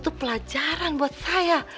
itu pelajaran buat saya